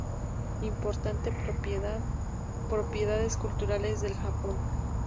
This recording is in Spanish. Importante propiedades culturales de Japón